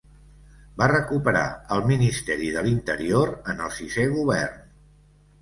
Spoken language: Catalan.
Va recuperar el Ministeri de l'Interior en el sisè govern.